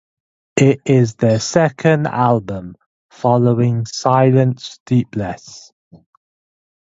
It is their second album, following "Silent Steeples".